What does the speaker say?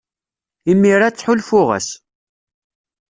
Imir-a, ttḥulfuɣ-as.